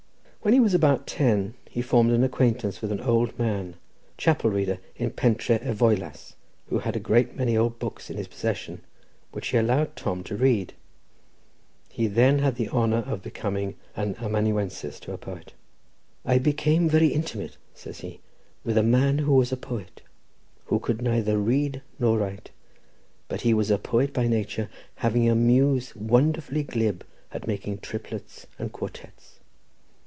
When he was about ten he formed an acquaintance with an old man, chapel reader in Pentré y Foelas, who had a great many old books in his possession, which he allowed Tom to read; he then had the honour of becoming amanuensis to a poet. "I became very intimate," says he, "with a man who was a poet; he could neither read nor write, but he was a poet by nature, having a muse wonderfully glib at making triplets and quartets.